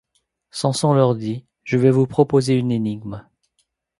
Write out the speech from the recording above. Samson leur dit: Je vais vous proposer une énigme.